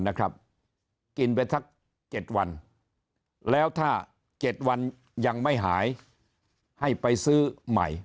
กินไปสัก๗วันแล้วถ้า๗วันยังไม่หายให้ไปซื้อใหม่